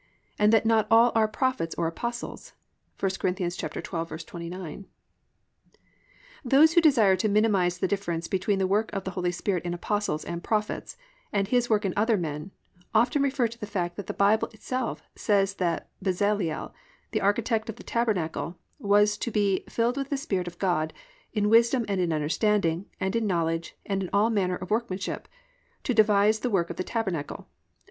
and that not all are Prophets or Apostles. (1 Cor. 12:29.)+ Those who desire to minimise the difference between the work of the Holy Spirit in Apostles and Prophets, and His work in other men, often refer to the fact that the Bible itself says that Bezaleel, the architect of the tabernacle, was to be +"filled with the Spirit of God, in wisdom, and in understanding, and in knowledge, and in all manner of workmanship," "to devise the work of the tabernacle"+ (Ex.